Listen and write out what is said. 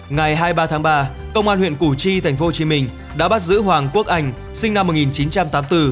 ngày hai mươi ba tháng ba công an huyện củ chi tp hcm đã bắt giữ hoàng quốc anh sinh năm một nghìn chín trăm tám mươi bốn